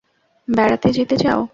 বেড়াতে যেতে চাও?